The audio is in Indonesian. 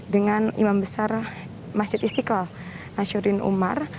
dengan imam besar masjid istiqlal nasyuddin umar